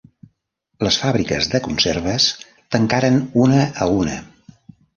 Les fàbriques de conserves tancaren una a una.